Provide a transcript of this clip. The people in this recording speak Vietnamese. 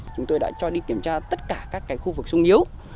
chúng tôi đã cho đi kiểm tra tất cả các khu vực sung yếu